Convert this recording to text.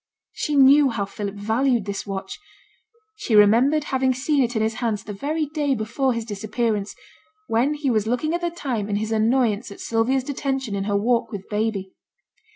She knew how Philip valued this watch. She remembered having seen it in his hands the very day before his disappearance, when he was looking at the time in his annoyance at Sylvia's detention in her walk with baby.